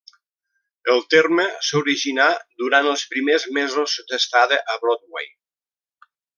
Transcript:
El terme s'originà durant els primers mesos d'estada a Broadway.